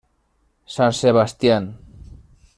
San Sebastián